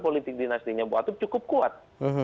politik dinastinya buat itu cukup kuat